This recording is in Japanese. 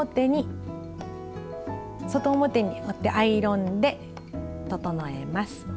外表に折ってアイロンで整えます。